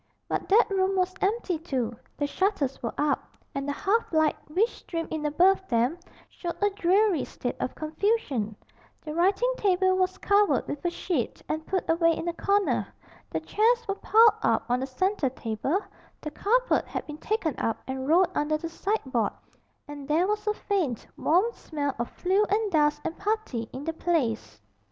But that room was empty too the shutters were up, and the half light which streamed in above them showed a dreary state of confusion: the writing table was covered with a sheet and put away in a corner, the chairs were piled up on the centre table, the carpet had been taken up and rolled under the sideboard, and there was a faint warm smell of flue and dust and putty in the place.